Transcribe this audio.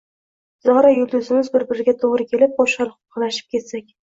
Zora, yulduzimiz bir-biriga to‘g‘ri kelib, qo‘shaloqlanib ketsak